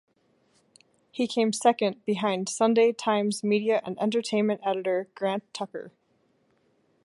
He came second behind Sunday Times Media and Entertainment Editor Grant Tucker.